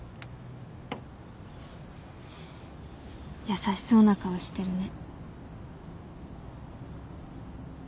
優しそうな顔してるね。